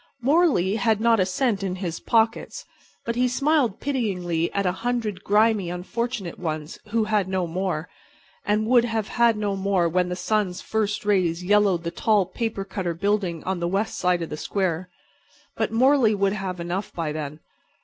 Morley had not a cent in his pockets; but he smiled pityingly at a hundred grimy, unfortunate ones who had no more, and who would have no more when the sun's first rays yellowed the tall paper cutter building on the west side of the square. But Morley would have enough by then.